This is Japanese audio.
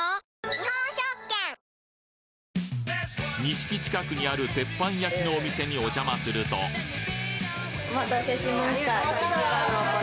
錦近くにある鉄板焼のお店にお邪魔するとお待たせしました。